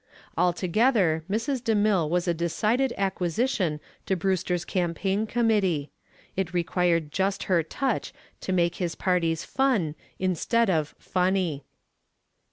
Altogether Mrs. DeMille was a decided acquisition to Brewster's campaign committee. It required just her touch to make his parties fun instead of funny.